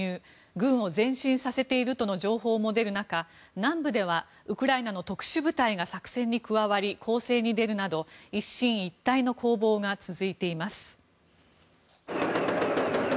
軍を前進させているとの情報も出る中南部ではウクライナの特殊部隊が作戦に加わり攻勢に出るなど一進一退の攻防が続いています。